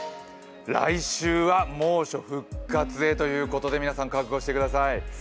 来週は猛暑復活へということで皆さん、覚悟してください。